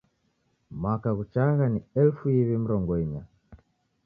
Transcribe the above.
Mwaka ghuchagha ni elifu iw'i mrongo inya